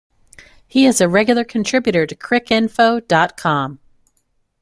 He is a regular contributor to Cricinfo dot com.